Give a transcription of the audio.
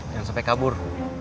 jangan sampai kabur